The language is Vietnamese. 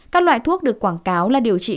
các loại thuốc được quảng cáo là điều trị